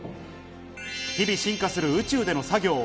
日々進化する中での作業。